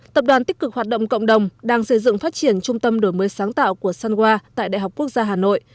tập đoàn tích cực hoạt động cộng đồng đang xây dựng phát triển trung tâm đổi mới sáng tạo của sunwa tại đại học quốc gia hà nội